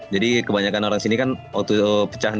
jadi kebanyakan orang sini kan auto pecahkan